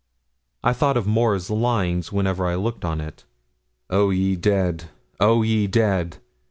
I thought of Moore's lines whenever I looked on it: Oh, ye dead! oh, ye dead!